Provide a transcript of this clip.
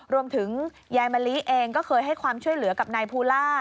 ยายมะลิเองก็เคยให้ความช่วยเหลือกับนายภูล่า